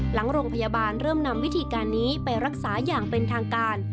หลังโรงพยาบาลเริ่มนำวิธีการนี้ไปรักษาอย่างเป็นทางการ